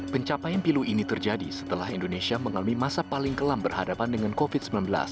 pencapaian pilu ini terjadi setelah indonesia mengalami masa paling kelam berhadapan dengan covid sembilan belas